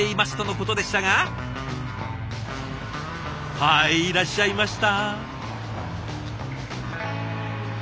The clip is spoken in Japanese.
はいいらっしゃいました。